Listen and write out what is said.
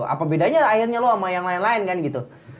apa bedanya airnya lo sama yang lain lain kan gitu